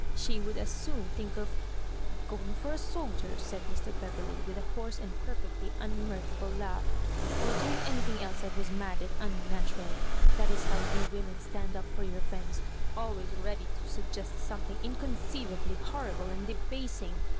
She would as soon think of — going for a soldier," said Mr. Beverley, with a hoarse and perfectly unmirthful lai:^h, " or doing anything else that was mad and unnatural. That is how you wolnen stand up for your friends — ^always ready to suggest B(»nething inconceivably horri ble and debasing!